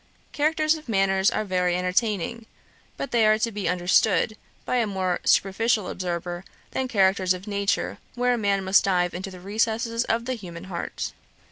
Characters of manners are very entertaining; but they are to be understood, by a more superficial observer, than characters of nature, where a man must dive into the recesses of the human heart.'